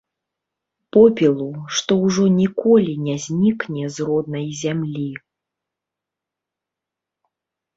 Попелу, што ўжо ніколі не знікне з роднай зямлі.